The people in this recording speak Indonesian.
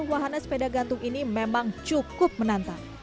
wahana sepeda gantung ini memang cukup menantang